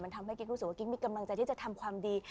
ทำให้กิ๊กรู้สึกว่ากิ๊กมีกำลังใจที่จะทำความดี